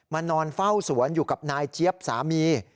นอนเฝ้าสวนอยู่กับนายเจี๊ยบสามี